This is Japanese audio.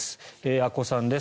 阿古さんです。